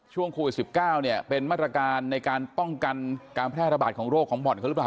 ช่วงโควิด๑๙เนี่ยเป็นมาตรการในการป้องกันการแพร่ระบาดของโรคของบ่อนเขาหรือเปล่า